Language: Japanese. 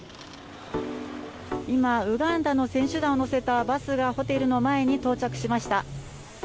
今、ウガンダの選手団を乗せたバスがホテルの前に到着しました。